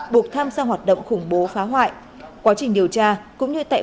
buộc tham gia hoạt động khủng bố phá hoại